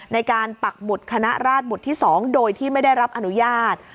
ในการปักหมุดคณะราชหมุดที่๒โดยที่ไม่ได้รับอนุญาต